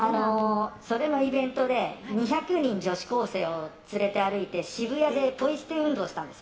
それもイベントで２００人女子高生を連れて歩いて渋谷でポイ捨て運動したんです。